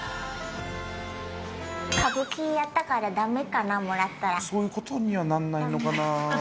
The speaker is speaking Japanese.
歌舞伎やったからだめかな、そういうことにはなんないのかな。